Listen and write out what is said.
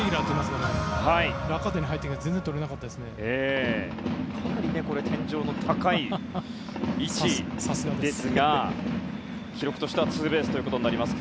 かなり天井の高い位置でしたが記録としてはツーベースとなります。